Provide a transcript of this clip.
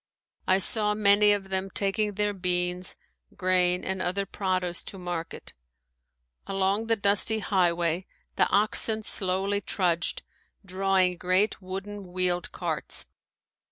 I saw many of them taking their beans, grain, and other produce to market. Along the dusty highway the oxen slowly trudged, drawing great wooden wheeled carts.